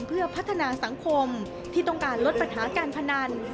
เพื่อพัฒนาสังคมที่ต้องการลดปัญหาการพนัน